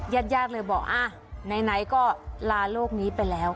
ยัดเลยบอกอ่ะไหนก็ลาเร่งโรคนี้ไปแล้ว